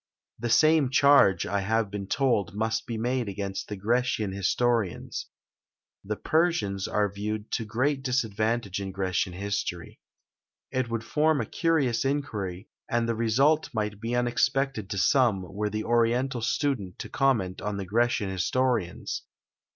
The same charge, I have been told, must be made against the Grecian historians. The Persians are viewed to great disadvantage in Grecian history. It would form a curious inquiry, and the result might be unexpected to some, were the Oriental student to comment on the Grecian historians.